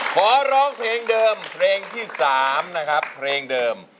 ขอร้องเพลงเดิมเพลงที่๓นะครับเพลงเดิม